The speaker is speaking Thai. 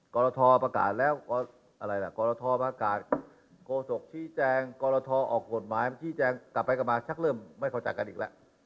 กรทประกาศแล้วอะไรล่ะกรทประกาศโฆษกชี้แจงกรทออกกฎหมายมาชี้แจงกลับไปกลับมาชักเริ่มไม่เข้าใจกันอีกแล้ว